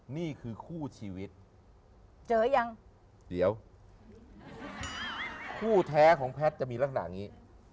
นี่คือคู่ชีวิตเจอยังเดี๋ยวคู่แท้ของแพทย์จะมีลักษณะอย่างนี้